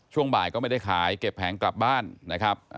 ช่วงบ่ายก็ไม่ได้ขายเก็บแผงกลับบ้านนะครับ